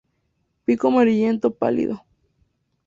Pico amarillento pálido.